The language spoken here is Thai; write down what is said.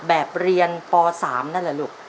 แบบเรียนป๓นั่นแหละลูก